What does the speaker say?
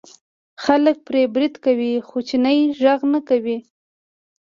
خلک پرې برید کوي خو چینی غږ نه کوي.